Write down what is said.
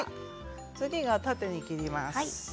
次は縦に切ります。